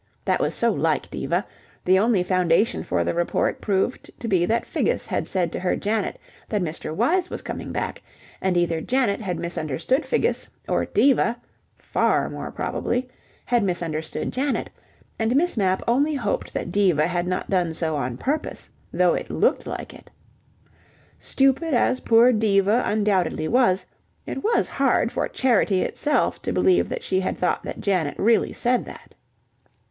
That was so like Diva: the only foundation for the report proved to be that Figgis had said to her Janet that Mr. Wyse was coming back, and either Janet had misunderstood Figgis, or Diva (far more probably) had misunderstood Janet, and Miss Mapp only hoped that Diva had not done so on purpose, though it looked like it. Stupid as poor Diva undoubtedly was, it was hard for Charity itself to believe that she had thought that Janet really said that.